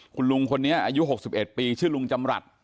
คุณลุงคนนี้อายุ๖๑ปีชื่อลุงจำรัฐ